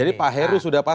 jadi pak heru sudah pasti